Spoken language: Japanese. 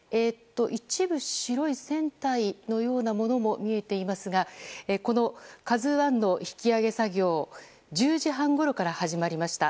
一部白い船体のようなものも見えていますがこの「ＫＡＺＵ１」の引き揚げ作業は１０時半ごろから始まりました。